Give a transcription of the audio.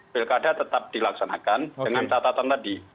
pilkada tetap dilaksanakan dengan catatan tadi